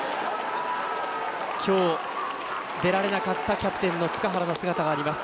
今日、出られなかったキャプテンの塚原の姿があります。